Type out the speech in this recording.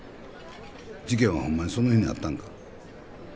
事件はホンマにその日にあったんか？